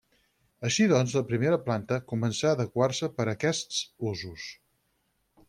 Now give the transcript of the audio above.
Així doncs, la primera planta començarà a adequar-se per aquests usos.